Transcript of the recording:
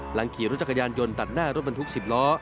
ขี่รถจักรยานยนต์ตัดหน้ารถบรรทุก๑๐ล้อ